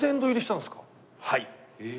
はい。